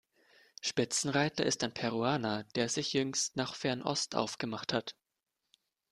Spitzenreiter ist ein Peruaner, der sich jüngst nach Fernost aufgemacht hat.